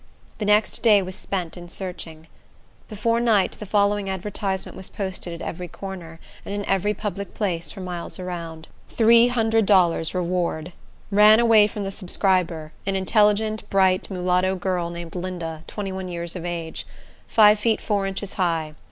The next day was spent in searching. Before night, the following advertisement was posted at every corner, and in every public place for miles round:— $300 REWARD! Ran away from the subscriber, an intelligent, bright, mulatto girl, named Linda, 21 years of age. Five feet four inches high.